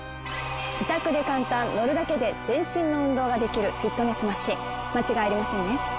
自宅で簡単乗るだけで全身の運動ができるフィットネスマシン。